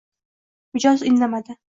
Mijoz indamadi